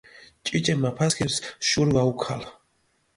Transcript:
ჭიჭე მაფასქირს შური ვაუქალჷ.